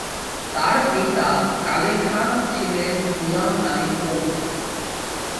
তার পিতা কালে খান ছিলেন গুলাম আলির পৌত্র।